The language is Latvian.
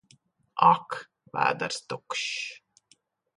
Ak! Vēders tukšs!